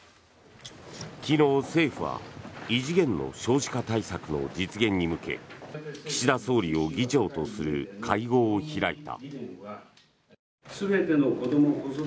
昨日、政府は異次元の少子化対策の実現に向け岸田総理を議長とする会合を開いた。